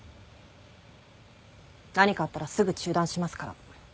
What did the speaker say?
何かあったらすぐ中断しますから。